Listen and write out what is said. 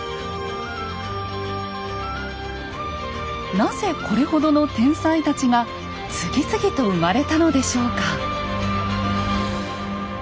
なぜこれほどの天才たちが次々と生まれたのでしょうか？